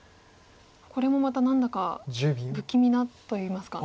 これもまた何だか不気味なといいますか。